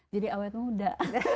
jadi awet muda